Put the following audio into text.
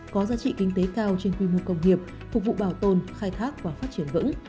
có giá trị kinh tế cao trên quy mô công nghiệp phục vụ bảo tồn khai thác và phát triển vững